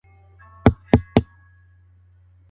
د ښووني پوهنځۍ په غلطه توګه نه تشریح کیږي.